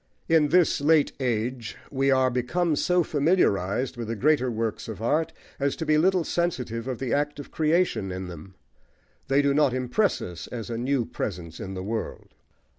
+ In this late age we are become so familiarised with the greater works of art as to be little sensitive of the act of creation in them: they do not impress us as a new presence in the world.